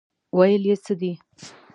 ویل یې څه دي.